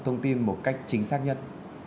thông tin một cách chính xác nhất